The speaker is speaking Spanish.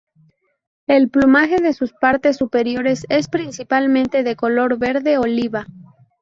El plumaje de sus partes superiores es principalmente de color verde oliva.